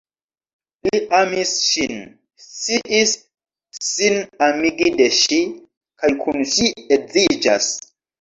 Li amis ŝin, sciis sin amigi de ŝi, kaj kun ŝi edziĝas.